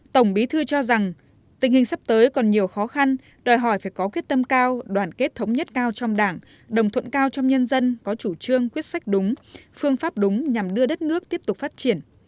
tổng bí thư cho rằng tình hình sắp tới còn nhiều khó khăn đòi hỏi phải có quyết tâm cao đoàn kết thống nhất cao trong đảng đồng thuận cao trong nhân dân có chủ trương quyết sách đúng phương pháp đúng nhằm đưa đất nước tiếp tục phát triển